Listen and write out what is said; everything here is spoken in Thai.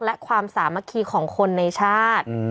และความสามัคคีของคนในชาติ